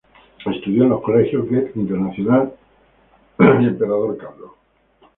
Estudió en los colegios Goethe, Internacional y Cristo Rey.